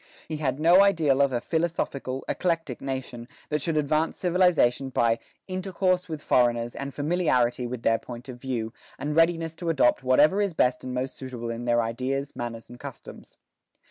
He had no ideal of a philosophical, eclectic nation, that should advance civilization by "intercourse with foreigners and familiarity with their point of view, and readiness to adopt whatever is best and most suitable in their ideas, manners, and customs."